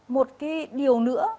một điều nữa